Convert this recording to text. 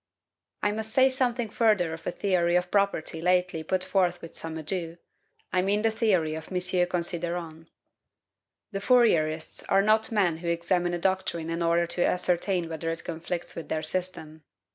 I must say something further of a theory of property lately put forth with some ado: I mean the theory of M. Considerant. The Fourierists are not men who examine a doctrine in order to ascertain whether it conflicts with their system.